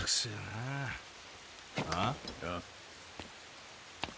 ああ？